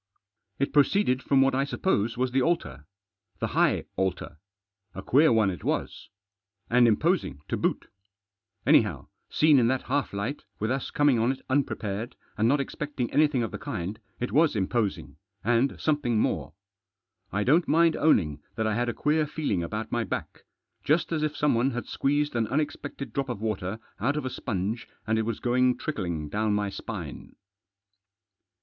It proceeded from what I sup pose was the altar. The high altar. A queer one it was. And imposing to boot. Anyhow, seen in that half light, with us coming on it unprepared, and not expecting anything of the kind, it was imposing, and something more. I don't mind owning that I had a queer feeling about my back. Just as if someone had squeezed an unexpected drop of water out of a sponge, and it was going trickling down my spine.